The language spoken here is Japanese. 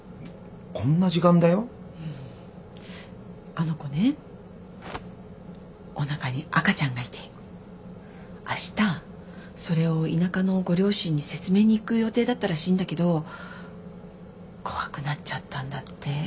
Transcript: あの子ねおなかに赤ちゃんがいてあしたそれを田舎のご両親に説明に行く予定だったらしいんだけど怖くなっちゃったんだって。